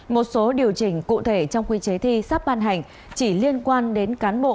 một số điều chỉnh cụ thể trong quy chế thi sắp ban hành chỉ liên quan đến cán bộ